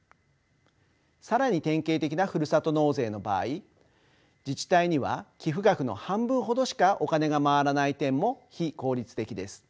更に典型的なふるさと納税の場合自治体には寄付額の半分ほどしかお金が回らない点も非効率的です。